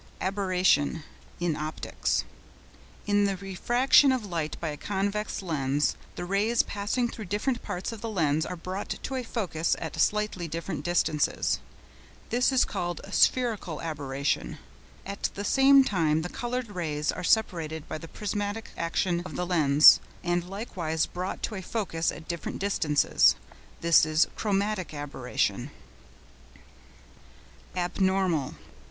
ABERRATION (in Optics).—In the refraction of light by a convex lens the rays passing through different parts of the lens are brought to a focus at slightly different distances—this is called spherical aberration; at the same time the coloured rays are separated by the prismatic action of the lens and likewise brought to a focus at different distances—this is chromatic aberration. ABNORMAL.